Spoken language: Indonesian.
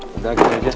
sudah kita aja